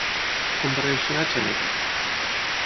Com va reaccionar Xaneta?